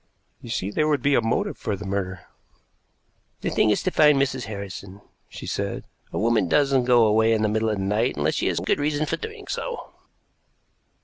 "You see, there would be a motive for the murder." "The thing is to find Mrs. Harrison," she said. "A woman doesn't go away in the middle of the night unless she has a good reason for doing so."